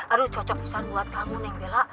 aduh cocok pisan buat kamu neng bella